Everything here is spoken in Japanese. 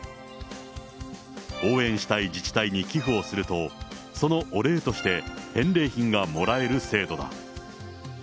応援したい自治体に寄付をすると、そのお礼として、返礼品がもらえる制度だ。